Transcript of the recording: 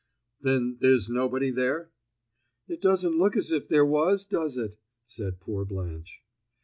"Then there's nobody there?" "It doesn't look as if there was, does it?" said poor Blanche.